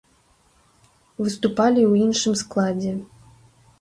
Выступалі ў іншым складзе.